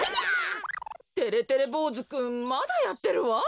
てれてれぼうずくんまだやってるわ。